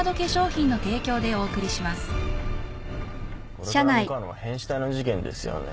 これから向かうのは変死体の事件ですよね。